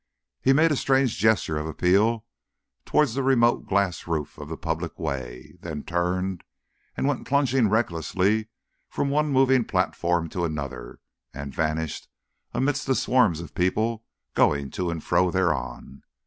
He made a strange gesture of appeal towards the remote glass roof of the public way, then turned and went plunging recklessly from one moving platform to another, and vanished amidst the swarms of people going to and fro thereon.